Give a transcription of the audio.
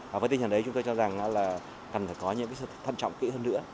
và với tính hẳn đấy chúng tôi cho rằng là cần phải có những sự thân trọng kỹ hơn nữa